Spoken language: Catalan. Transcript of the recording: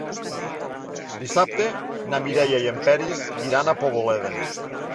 Dissabte na Mireia i en Peris iran a Poboleda.